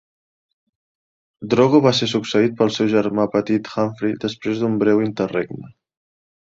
Drogo va ser succeït pel seu germà petit Humphrey després d'un breu interregne.